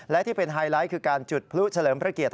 และที่เป็นไฮไลท์คือการจุดพลุเฉลิมพระเกียรติ